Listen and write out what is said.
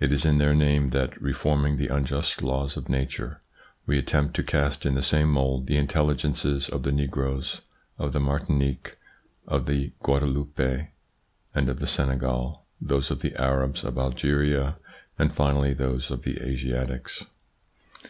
It is in their name that, reforming the unjust laws of nature, we attempt to cast in the same mould the intelligences of the negroes of the Martinique, of the Guadeloupe and of the Senegal, those of the Arabs of Algeria and finally those of the Asiatics.